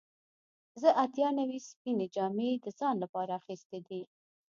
زه اتیا نوي سپینې جامې د ځان لپاره اخیستې دي.